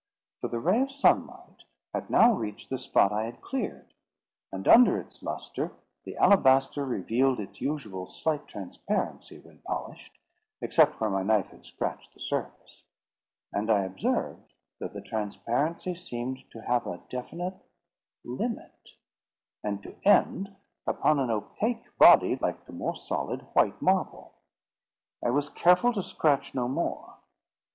For the ray of sunlight had now reached the spot I had cleared, and under its lustre the alabaster revealed its usual slight transparency when polished, except where my knife had scratched the surface; and I observed that the transparency seemed to have a definite limit, and to end upon an opaque body like the more solid, white marble. I was careful to scratch no more.